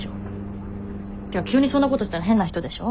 ってか急にそんなことしたら変な人でしょ？